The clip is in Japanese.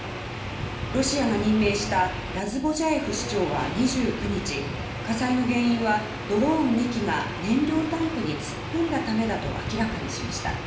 ロシアが任命したラズボジャエフ市長は２９日火災の原因はドローン２機が燃料タンクに突っ込んだためだと明らかにしました。